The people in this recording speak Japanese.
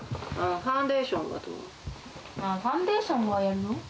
ファンデーションはやるよ。